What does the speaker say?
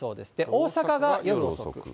大阪が夜遅く。